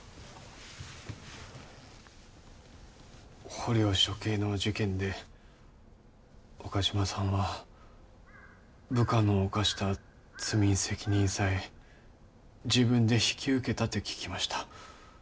捕虜処刑の事件で岡島さんは部下の犯した罪ん責任さえ自分で引き受けたて聞きました。